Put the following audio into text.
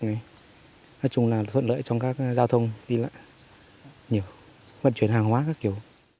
nói chung là thuận lợi trong các giao thông đi lại nhiều vận chuyển hàng hóa các kiểu